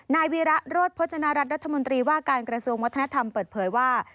นายวีระโรธโภจนารัฐรัฐมนตรีว่าการกระทรวงวัฒนธรรมเปิดเผยว่า